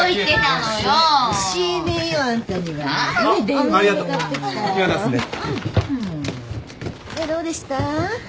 でどうでした？